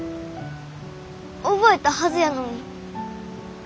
覚えたはずやのに。